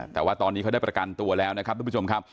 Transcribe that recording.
แต่ว่าตอนนี้เขาได้ประกันตัวแล้วนะครับทุกผู้ชมครับ